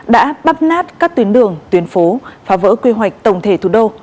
đã bắt nát các tuyến đường tuyến phố phá vỡ quy hoạch tổng thể thủ đô